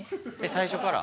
最初から？